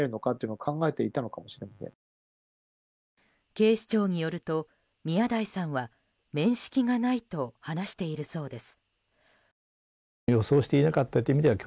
警視庁によると、宮台さんは面識がないと話しているそうです。